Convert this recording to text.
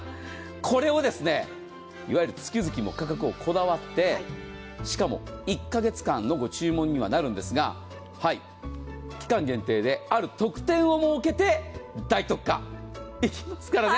これを月々の価格をこだわってしかも１カ月間のご注文にはなるですが期間限定で、ある特典を設けて大特価、いきますからね。